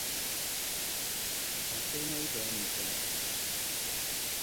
Ba sai na yi bayanin kai na ba.